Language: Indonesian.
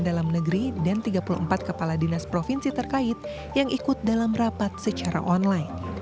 dan tiga puluh empat kepala dinas provinsi terkait yang ikut dalam rapat secara online